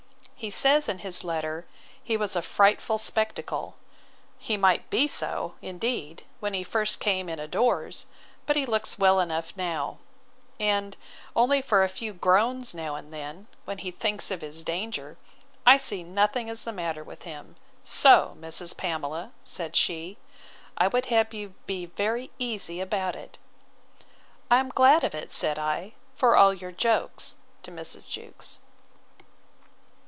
He says in his letter, he was a frightful spectacle: He might be so, indeed, when he first came in a doors; but he looks well enough now: and, only for a few groans now and then, when he thinks of his danger, I see nothing is the matter with him. So, Mrs. Pamela, said she, I would have you be very easy about it. I am glad of it, said I, for all your jokes, to Mrs. Jewkes.